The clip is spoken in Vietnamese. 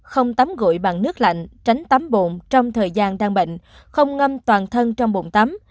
không tắm gội bằng nước lạnh tránh tắm bụng trong thời gian đang bệnh không ngâm toàn thân trong bụng tắm